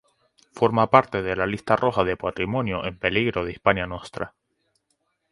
Forma parte de la lista roja de patrimonio en peligro de Hispania Nostra.